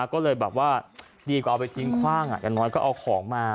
ก็เลยแบบว่าดีกว่าเอาไปทิ้งคว่างอย่างน้อยก็เอาของมา